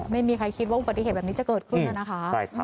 ไม่มีใครคิดว่าอุบัติเหตุแบบนี้จะเกิดขึ้นนะคะ